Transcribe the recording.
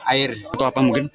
atau apa mungkin